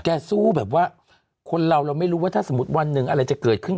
สู้แบบว่าคนเราเราไม่รู้ว่าถ้าสมมุติวันหนึ่งอะไรจะเกิดขึ้น